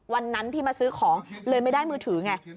วันนั้นที่มาซื้อของเลยไม่ได้มือถือไง